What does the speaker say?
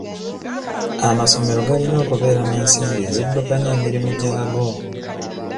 Amasomero galina okubeera n'ensimbi eziddukanya emirimu gyago.